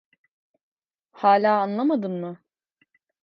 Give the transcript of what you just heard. Hala anlamadın mı?